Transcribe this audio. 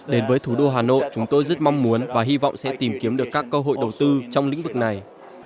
đến với thủ đô hà nội chúng tôi rất mong muốn và hy vọng sẽ tìm kiếm được các cơ hội đầu tư trong lĩnh vực này